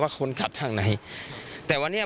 ว่าคนกลับทางไหน